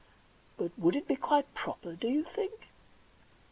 But — would it be quite proper, do you think